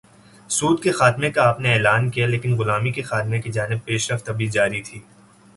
سود کے خاتمے کا آپ نے اعلان کیا لیکن غلامی کے خاتمے کی جانب پیش رفت ابھی جاری تھی۔